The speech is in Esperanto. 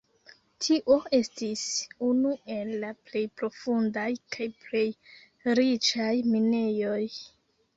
Tio estis unu el la plej profundaj kaj plej riĉaj minejoj.